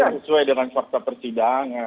ini kan sesuai dengan kata persidangan